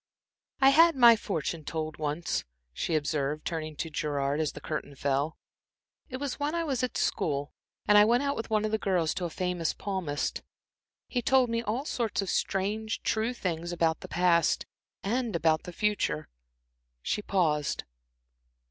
"I had my fortune told once," she observed, turning to Gerard, as the curtain fell. "It was when I was at school, and I went with one of the girls to a famous palmist. He told me all sorts of strange, true things about the past, and about the future." She paused.